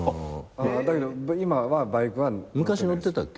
だけど今はバイクは乗ってないです。